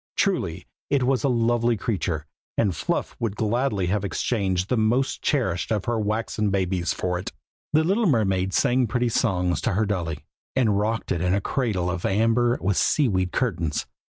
Truly, it was a lovely creature, and Fluff would gladly have exchanged the most cherished of her waxen babies for it. The little mermaid sang pretty songs to her dolly, and rocked it in a cradle of amber with sea weed curtains.